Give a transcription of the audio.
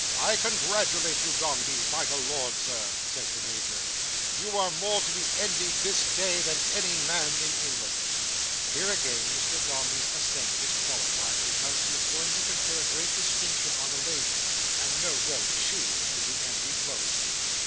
I congratulate you, Dombey. By the Lord, Sir," says the Major, "you are more to be envied, this day, than any man in England!" Here again Mr Dombey's assent is qualified; because he is going to confer a great distinction on a lady; and, no doubt, she is to be envied most.